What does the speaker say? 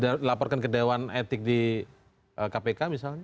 sudah dilaporkan ke dewan etik di kpk misalnya